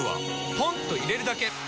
ポンと入れるだけ！